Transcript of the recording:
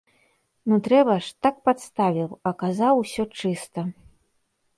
Ну трэба ж, так падставіў, а казаў усё чыста.